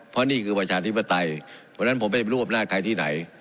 เพราะนี่คือประชาธิปไตยเพราะฉะนั้นผมไปรวบอำนาจใครที่ไหน